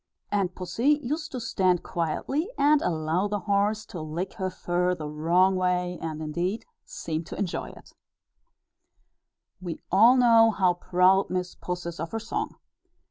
And Pussy used to stand quietly, and allow the horse to lick her fur the wrong way, and indeed seemed to enjoy it. (See Note G, Addenda.) We all know how proud Miss Puss is of her song.